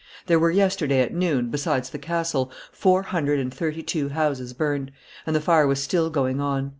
There were yesterday at noon, besides the castle, four hundred and thirty two houses burned; and the fire was still going on.